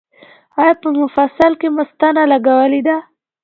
ایا په مفصل کې مو ستنه لګولې ده؟